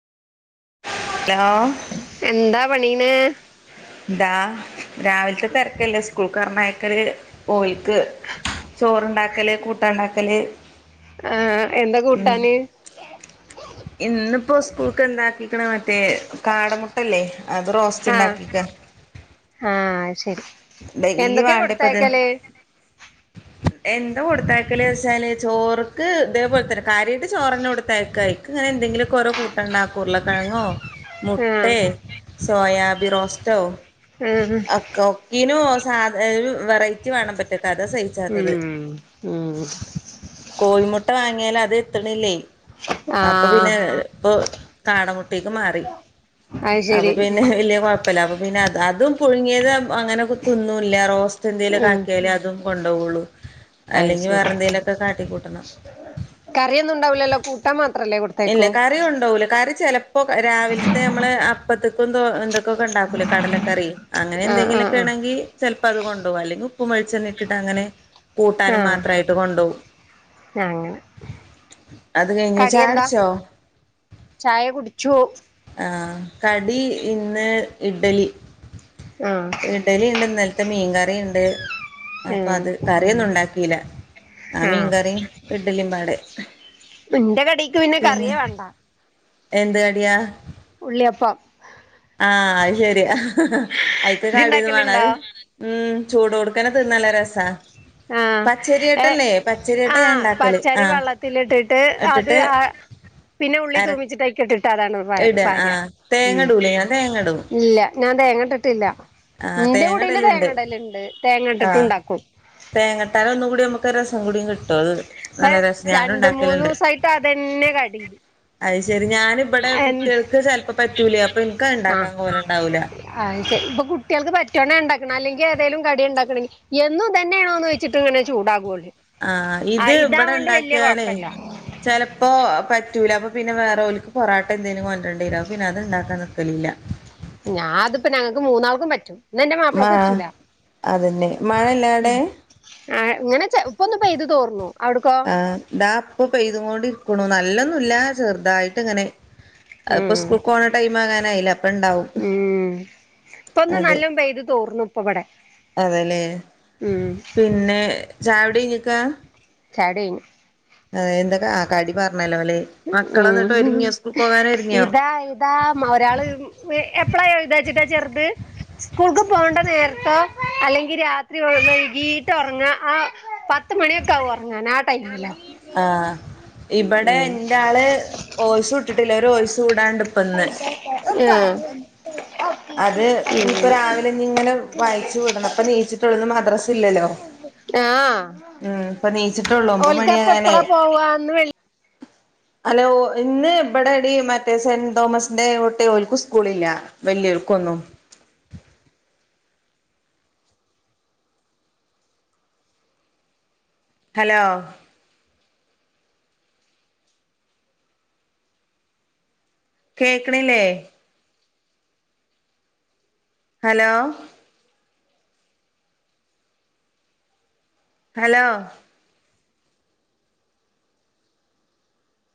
hello എന്താ പണീണ് ദാ, രാവിലത്തെ തെരക്കല്ലേ സ്കൂൾ പറഞ്ഞയക്കല് പോയി ക്ക് ചോറുണ്ടാക്കല് കൂട്ടാൻ ണ്ടാക്കല് ആഹ് എന്താ കൂട്ടാന് ഇന്നിപ്പോ സ്കൂൾക്ക് എണ്ടാക്കിക്കണേ മറ്റേ കാടമുട്ടല്ലേ അത് റോസ്റ്റ് ഉണ്ടാക്കിക്ക ആഹ് ശരി, ഡെയിലി എന്തൊക്കെയാ വേണ്ടപ്പത് കൊടുത്തയക്കല് എന്താ കൊടുത്തക്കല് വെച്ചാല് ചോറക്ക് ഇതേപോലെ തന്നെ കാര്യട്ട് ചോറന്നെ കൊടുത്തക്കാ ഇങ്ങനെ എന്തെങ്കിലൊക്ക ഓരോ കൂട്ടാണ്ടാക്കും ഉരുളകിഴങ്ങോ ആ മുട്ടേ സോയാബി റോസ്റ്റോ ആ അക്കോ ജിനു സാധ ഒരു വെറൈറ്റിവേണം പറ്റത്താത അതസേഫ് ചതത് ഉം ഉം കോഴിമുട്ട വാങ്ങിയാൽ അത് എത്ത്ണില്ലേ ആ അപ്പൊപിന്നെ ഇപ്പൊ കാടമുട്ടിക്ക് മാറി അത് അപ്പൊ ശരി പിന്നെ വല്യകൊഴപ്പല്ല അപ്പ പിന്നെ അതും പുഴുങ്ങിയത് അങ്ങനെ തിന്നുല്ല റോസ്റ്റ് എന്തോലൊക്കെ ഉം ആക്കിയാലേ അതും കൊണ്ടോ വോള്ളു അത് അല്ലെങ്കി ശരി വേറെ എന്തേലൊക്കെ കാട്ടിക്കൂട്ടണം കറിയൊന്നും ഉണ്ടാവില്ലല്ലോ കൂട്ടാ മാത്രല്ലേ കൊ ഇല്ല കറി കൊണ്ടോവൂല കറി ച്ചെല ഇപ്പൊ രാവിലത്തെ നമള് അപ്പത്ത്ക്കൊക്കെ ദോ എന്തൊ ക്കൊക്കെ ഉണ്ടാക്കൂല കടലക്കറി അങ്ങനെ ആ ആ എന്തെങ്കിലൊക്കെ ആണെങ്കി ചിലപ്പോ അത് കൊണ്ടുപോകും അല്ലെങ്കി ഉപ്പും വെളിച്ചെണ്ണ ഇട്ടിട്ട് അങ്ങനെ കൂട്ടാനും മാത്രായിട്ട് കൊണ്ടോകും ഞാങ്ങനെ കഴിഞ്ഞു ചായ കടിയെന്താ കുടിച്ചോ ചായ കുടിച്ചു ആ കടി ഇന്ന് ഇഡലി ആഹ് ഇഡലി ഉണ്ട് നലത്തെ മീൻകറിണ്ട് ആ അപ്പൊ അത് കറിയൊന്നും ഉണ്ടാക്കില്ല ആ മീൻകറിം ഇഡലിമ്പാടെ പ്പ ന്റെ കടിക്ക് പിന്നെ കറിയേ വേണ്ട എന്ത് കടിയാ ഉള്ളിയപ്പം ആഹ് അത് ശരി അയിക്ക് ഇയ്യ് കടി ഒന്നും ഇണ്ടാക്കലുണ്ടോ വാണ്ടത് ഉം ചൂട് കൊടുക്കനെ തിന്നാ നല്ല രസാ ആഹ് ഏഹ് പച്ചരിയട്ടല്ലേ പച്ചരിയട്ട ഞാൻ ആഹ് ഇണ്ടാക്കല് പച്ചരി ആഹ് വെള്ളത്തിലിട്ടിട്ട് അത് ഇട്ടിട്ട് ആ പിന്നെ ഉള്ളി അര തൂമിച്ചിട്ട്യ്ക്കെട്ടിട്ടാ അതാണ് ഭായ് ഇട ഭാര്യ ആഹ് തേങ്ങ ഉം ഇടൂലേ ഞാൻ തേങ്ങ ഇടും ഇല്ല ഞാൻ തേങ്ങ ഇട്ടിട്ടില്ല ആഹ് എന്റെ തേങ്ങ കൂടില് ഇടല്ണ്ട് തേങ്ങടലുണ്ട് തേങ്ങ ഇട്ട്ട്ടും ഇണ്ടാക്കും തേങ്ങട്ടാല് ഒന്നും കൂടി അമ്മക്ക് രസം കൂടി കി ട്ടോ അത് ഇപ്പ നല്ല രസം ഞാനും രണ്ട് ഇണ്ടാക്കലിണ്ട് മൂന്നൂസായിട്ട് അതന്നെ കടി അത് ശരി ഞാനിവിടെ എൻ കുട്ടികൾക്ക് ചെലപ്പോ പറ്റൂലേ അപ്പൊ എൻക്ക് ഇണ്ടാക്കാൻ കോല ഇണ്ടാവൂല ആഹ് ശരി അപ്പൊ കുട്ടിയോൽക്ക് പറ്റുവാണ ഇണ്ടാക്കണം അല്ലെങ്കി ഏതായാലും കടി ഇണ്ടാക്കണം എന്നും ഇതന്നെയാണോന്ന് ചോച്ച ഇട്ടു ഇങ്ങനെ ചൂടാകുള്ളു ആഹ ഇത് ഇവിടെ ഉണ്ടാക്കിയാലേ കൊഴപ്പല്ല ചിലപ്പോ പറ്റൂല അപ്പൊ പിന്നെ വേറെ ഓക്ക് പൊറോട്ട എന്തേലും വാങ്ങികൊണ്ടുവരാല പിന്നെ അത് ഇണ്ടാക്കാൻ നിക്കലില്ല ഞാ അതിപ്പ ഞങ്ങൾക്ക് മൂന്നാൾക്കും പറ്റും എന്ന എന്റെ മ മാപ്പിളക്കെ പറ്റൂല അതന്നെ മഴല്ലേ അവിടെ ആ് ഇങ്ങനെ ഇപ്പൊന്ന് പെയ്തു തോർന്നു അവിടുക്ക ആഹ് താ അപ്പൊ പെയ്തൊണ്ടിരിക്കണു നല്ലൊന്നുംല്ല ചെറുതായിട്ട് ഇങ്ങനെ അപ്പൊ ഉം സ്കൂൾക്കു പോകണ ടൈം ആകാനായില്ല അപ്പ ഉണ്ടാവും ഇപ്പ ഒന്ന് നല്ല പെയത് തോർന്നു ഇപ്പ ഇവിടെ അതെല്ലേ ഉം പിന്നെ ചായകൂടി കഴിഞ്ഞക്ക ചായാകുടികഴ്ഞ്ഞു അ എന്തൊക്കാ ആ കടി പറഞ്ഞല്ലോ അല്ലെ മക്കള എന്നിട്ട് ഒരുങ്ങിയോ സ്കൂൾക്ക് പോകാൻ ഒരുങ്ങിയോ ന്താ ഒരാള് എപ്പളാ ഇതാ വെച്ചിട്ടാ ചെർത് സ്കൂൾക്ക് പോകേണ്ട നേരത്തോ അല്ലെങ്കിൽ രാത്രി വൈകീട്ട ഉറങ്ങ ആ പത്ത് മണിയൊക്ക ആവും ഉറങ്ങാൻ ആ ടൈമിലോ ആഹ് ഇവിടെ ഉം എന്റെ ആള് ഓയ്സ് വിട്ടിട്ടില്ലഒരു ഓയ്സ് കൂടാണ്ട് ഇപ്പൊ ഇന്ന് ആഹ് അത് ഇനിപ്പോ രാവിലെ ഇങ്ങനെ അയിച്ച് വിടണം അപ്പൊ എനീച്ചിട്ടുള്ളന്ന് മദ്രാസ ഇല്ലല്ലോ ആഹ് ഉം ഇപ്പൊ ണീച്ചിട്ടേ ഉള്ളൂ ഒമ്പ മണിയായ ഇവള പോവാന്ന് വി [inaudible] ഹലോ ഇന്ന് ഇവിടെടി മറ്റേ സെന്റ് തോമസിന്റെ കുട്ടിയോൽക്ക് സ്കൂളില്ല വല്ല്യോർക്കൊന്നും ഹലോ കേൾക്കണില്ലേ ഹലോ ഹലോ